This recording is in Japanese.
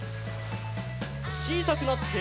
ちいさくなって。